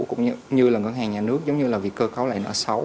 cũng như là ngân hàng nhà nước giống như là vì cơ cấu lại nó xấu